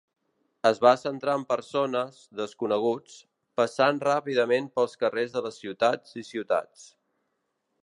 Es va centrar en persones, desconeguts, passant ràpidament pels carrers de les ciutats i ciutats.